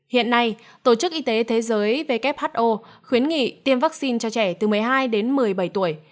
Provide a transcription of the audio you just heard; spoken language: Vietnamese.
hiện nay tổ chức y tế thế giới who khuyến nghị tiêm vaccine cho trẻ từ một mươi hai đến một mươi bảy tuổi